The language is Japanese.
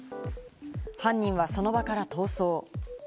犯人はその場から逃走。